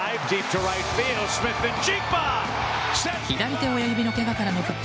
左手親指のけがからの復帰